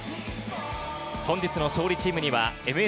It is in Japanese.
本日の勝利チームにはＭＳ＆ＡＤ